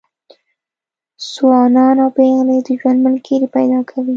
ځوانان او پېغلې د ژوند ملګري پیدا کوي.